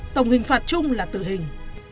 tổng hình phạt chung là tử hình